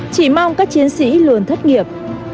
chỉ mong các chiến sĩ luôn thất nghiệp